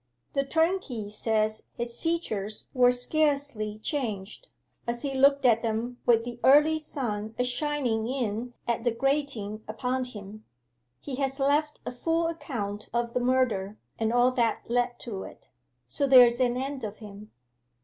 The turnkey says his features were scarcely changed, as he looked at 'em with the early sun a shining in at the grating upon him. He has left a full account of the murder, and all that led to it. So there's an end of him.